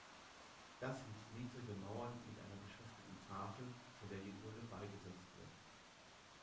Das sind niedrige Mauern mit einer beschrifteten Tafel, vor der die Urne beigesetzt wird.